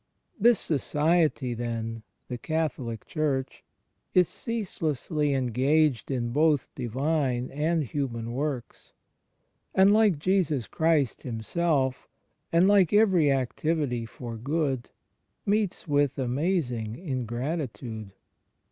This Society, then, the Catholic Church, is ceaselessly engaged in both Divine and hiunan works; and, like Jesus Christ Himself (and like every activity for good), meets with amazing ingratitude.